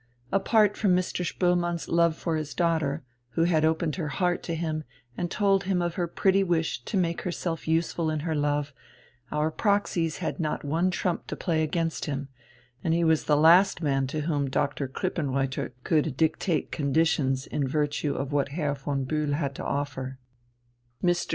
Apart from Mr. Spoelmann's love for his daughter, who had opened her heart to him and told him of her pretty wish to make herself useful in her love, our proxies had not one trump to play against him, and he was the last man to whom Dr. Krippenreuther could dictate conditions in virtue of what Herr von Bühl had to offer. Mr.